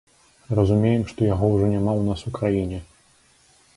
Разумеем, што яго ўжо няма ў нас у краіне.